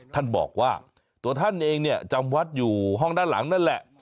ท่านบอกว่าตัวท่านเองเนี่ยจำวัดอยู่ห้องด้านหลังนั่นแหละ